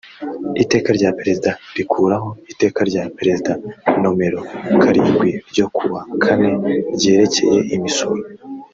iteka rya perezida rikuraho iteka rya perezida nomero karindwi ryo ku wa kane ryerekeye imisoro